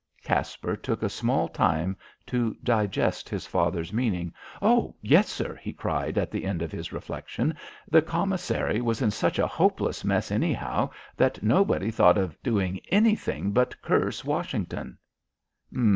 Caspar took a small time to digest his father's meaning. "Oh, yes, sir," he cried at the end of his reflection. "The Commissary was in such a hopeless mess anyhow that nobody thought of doing anything but curse Washington."